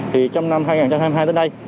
thì trong năm hai nghìn hai mươi hai đến nay